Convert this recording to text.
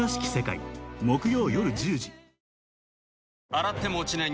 洗っても落ちない